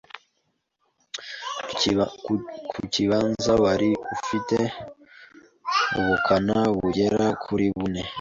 ku kibanza wari ufite ubukana bugera kuri bune